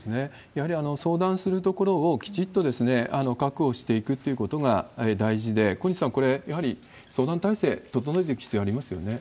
やはり相談するところをきちっと確保していくってことが大事で、小西さん、これ、やはり相談態勢、整えていく必要、ありますよね。